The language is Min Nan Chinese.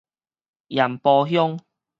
鹽埔鄉